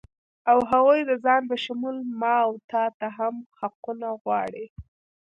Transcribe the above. او هغوی د ځان په شمول ما و تاته هم حقونه غواړي